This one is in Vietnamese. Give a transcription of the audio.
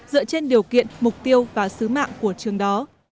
dựa trên điều kiện mục tiêu và sứ mạng của trường đó